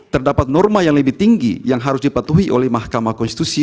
terdapat norma yang lebih tinggi yang harus dipatuhi oleh mahkamah konstitusi